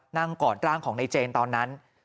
นั่งก่อนร่างของนายเจนตอนนั้น